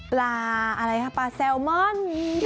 ปลาอะไรคะปลาแซลมอน